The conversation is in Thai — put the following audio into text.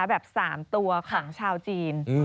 แบบ๓ตัวของชาวจีน